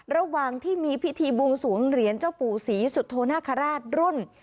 ระหว่างที่มีพิธีบวงสวงเหรียญเจ้าปู่ศรีสุโธนาคาราชรุ่น